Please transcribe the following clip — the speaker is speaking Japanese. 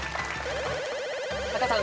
タカさん